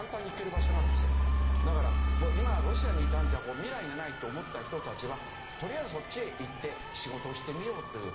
だから今ロシアにいたんじゃ未来がないと思った人たちはとりあえずそっちへ行って仕事をしてみようという。